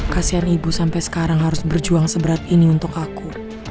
kasian ibu sampai sekarang harus berjuang seberat ini untuk aku